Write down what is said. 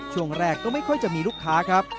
ช่วงแรกก็ไม่ค่อยจะมีลูกค้าครับ